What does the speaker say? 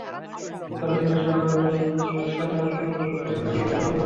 যাঁরা চিকিৎসক হবেন, সাদা অ্যাপ্রোন পরবেন, তাঁদের কাজ হবে দায়িত্ব পালন করা।